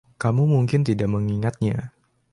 Kamu mungkin tidak mengingatnya.